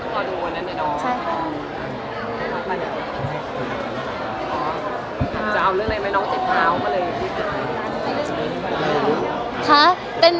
จะเอาเรื่องอะไรไหมน้องจิตพร้าวมาเลย